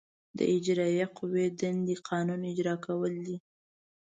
د اجرائیه قوې دندې قانون اجرا کول دي.